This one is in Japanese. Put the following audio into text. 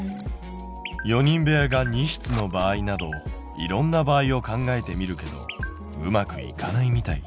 ４人部屋が２室の場合などいろんな場合を考えてみるけどうまくいかないみたい。